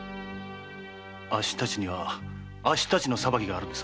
あっしたちにはあっしたちの裁きがあるんでさ。